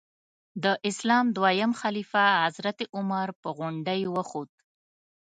د اسلام دویم خلیفه حضرت عمر په غونډۍ وخوت.